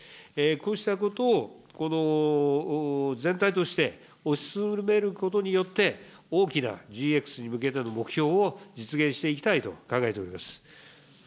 こうしたことを全体として推し進めることによって、大きなＧＸに向けての目標を実現していきたいと考えております。